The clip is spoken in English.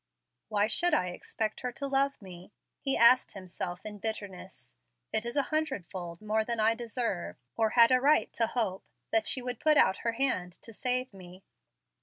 "Why should I expect her to love me?" he asked himself in bitterness. "It is a hundred fold more than I deserve, or had a right to hope, that she should put out her hand to save me."